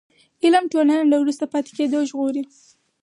علم ټولنه له وروسته پاتې کېدو ژغوري.